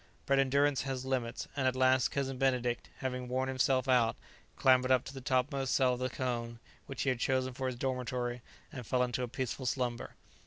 But endurance has limits, and at last Cousin Benedict, having worn himself out, clambered up to the topmost cell of the cone, which he had chosen for his dormitory, and fell into a peaceful slumber.